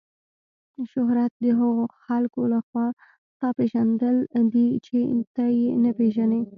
شهرت د هغو خلکو له خوا ستا پیژندل دي چې ته یې نه پیژنې.